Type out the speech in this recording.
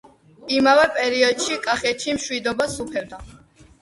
იმავე პერიოდᲨი კახეთში მᲨვიდობა სუფევდა.